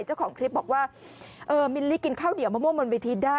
เจ้าของคลิปบอกว่ามิลลิกินข้าวเหนียวมะม่วงบนเวทีได้